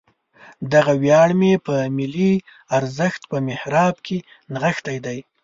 دغه ویاړ مې په ملي ارزښت په محراب کې نغښتی دی.